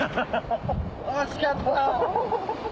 惜しかった。